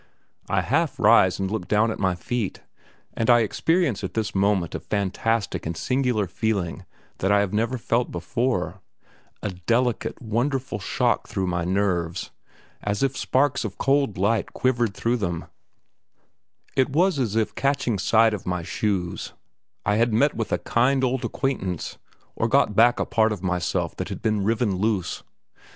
I half rise and look down at my feet, and I experience at this moment a fantastic and singular feeling that I have never felt before a delicate, wonderful shock through my nerves, as if sparks of cold light quivered through them it was as if catching sight of my shoes I had met with a kind old acquaintance, or got back a part of myself that had been riven loose.